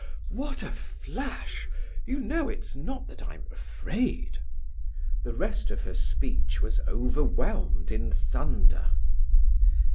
What a flash! You know, it's not that I'm afraid…." The rest of her speech was overwhelmed in thunder.